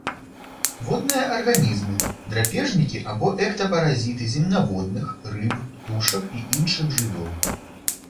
Водныя арганізмы, драпежнікі або эктапаразіты земнаводных, рыб, птушак і іншых жывёл.